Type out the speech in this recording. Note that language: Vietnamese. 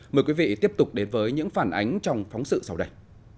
mời quý vị tiếp tục đến với những phản ánh trong phóng sự sau đây